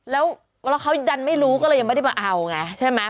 แล้วเขายังดันไม่รู้ก็เลยยังไม่ได้มาเอาไง